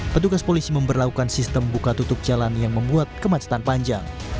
petugas polisi memperlakukan sistem buka tutup jalan yang membuat kemacetan panjang